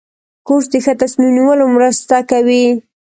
کورس د ښه تصمیم نیولو مرسته کوي.